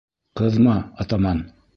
— Ҡыҙма, атаман.